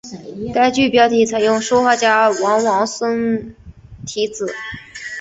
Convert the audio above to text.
该剧标题采用书画家王王孙题字。